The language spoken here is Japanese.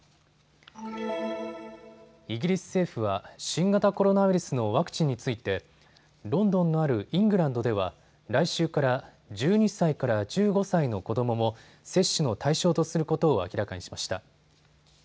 イギリス政府は新型コロナウイルスのワクチンについてロンドンのあるイングランドでは来週から１２歳から１５歳の子どもも接種の対象とすることを明らかにしました。